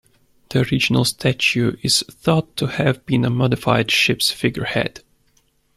The original statue is thought to have been a modified ship's figurehead.